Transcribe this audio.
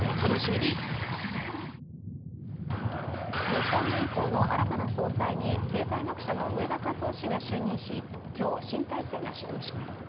日本銀行の新たな総裁に経済学者の植田和男氏が就任し今日、新体制が始動します。